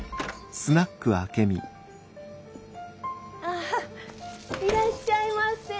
あいらっしゃいませ。